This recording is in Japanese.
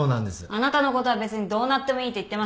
あなたのことは別にどうなってもいいと言ってました。